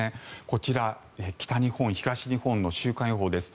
こちら、北日本、東日本の週間予報です。